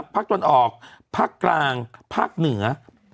ตอนออกภาคกลางภาคเหนือ